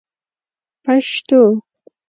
پشتو